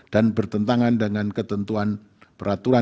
dan bertentangan dengan ketentuan peraturan